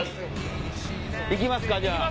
行きますかじゃあ。